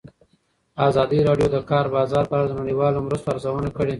ازادي راډیو د د کار بازار په اړه د نړیوالو مرستو ارزونه کړې.